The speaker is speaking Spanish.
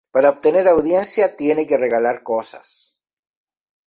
Para obtener audiencia tiene que regalar cosas.